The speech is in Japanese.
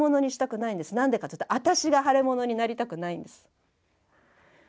なんでかっていうとあたしが腫れ物になりたくないんです。